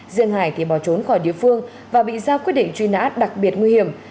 riêng hải thì bỏ trốn khỏi địa phương và bị ra quyết định truy nã đặc biệt nguy hiểm